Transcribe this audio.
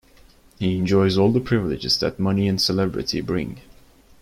He enjoys all the privileges that money and celebrity bring.